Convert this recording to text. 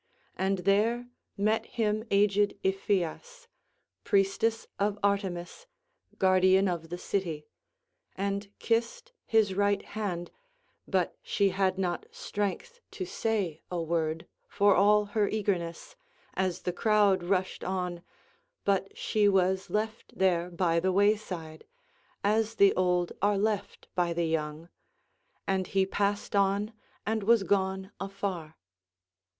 And there met him aged Iphias, priestess of Artemis guardian of the city, and kissed his right hand, but she had not strength to say a word, for all her eagerness, as the crowd rushed on, but she was left there by the wayside, as the old are left by the young, and he passed on and was gone afar.